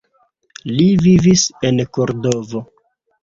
Li vivis en Kordovo.